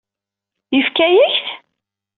Yefka-yak-t?